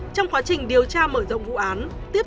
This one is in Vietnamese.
trong quá trình điều tra mở rộng vụ án